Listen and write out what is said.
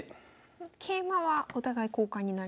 桂馬はお互い交換になりますよね。